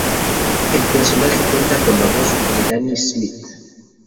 El personaje cuenta con la voz de Danny Smith.